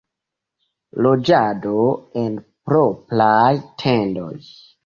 Loĝado en propraj tendoj.